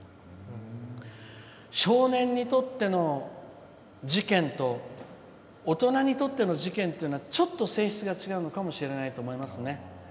少年にとっての事件と大人にとっての事件っていうのはちょっと性質が違うのかもと思います。